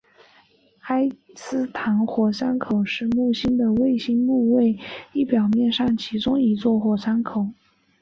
埃斯坦火山口是木星的卫星木卫一表面上的其中一座火山口。